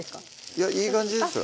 いやいい感じですよ